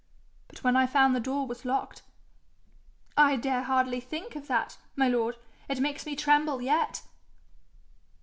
But when I found the door was locked, I dare hardly think of that, my lord; it makes me tremble yet.'